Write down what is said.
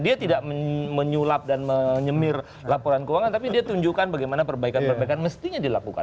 dia tidak menyulap dan menyemir laporan keuangan tapi dia tunjukkan bagaimana perbaikan perbaikan mestinya dilakukan